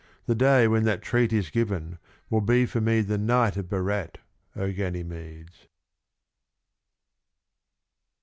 The day when that Treat is given, will be for me the Night of Berat, o Ganymedes.